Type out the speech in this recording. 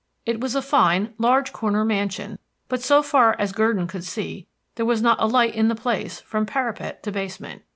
It was a fine, large corner mansion, but so far as Gurdon could see there was not a light in the place from parapet to basement.